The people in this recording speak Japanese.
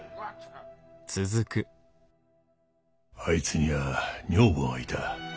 あいつには女房がいた。